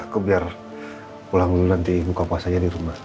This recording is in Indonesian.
aku biar pulang dulu nanti buka puasanya di rumah